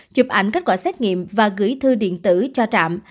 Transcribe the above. chụp ảnh kết quả xét nghiệm và gửi thư điện tử cho trạm